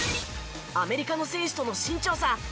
アメリカの選手との身長差